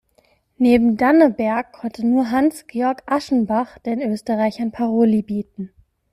Neben Danneberg konnte nur Hans-Georg Aschenbach den Österreichern Paroli bieten.